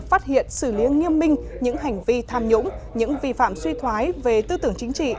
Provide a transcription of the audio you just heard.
phát hiện xử lý nghiêm minh những hành vi tham nhũng những vi phạm suy thoái về tư tưởng chính trị